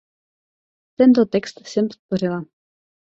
Tento text jsem podpořila.